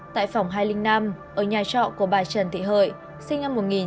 tại phòng hai trăm linh năm ở nhà trọ của bà trần thị hợi sinh năm một nghìn chín trăm tám mươi